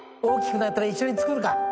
大きくなったら一緒に作るか。